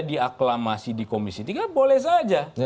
diaklamasi di komisi tiga boleh saja